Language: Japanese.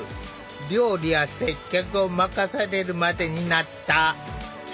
料理や接客を任されるまでになった。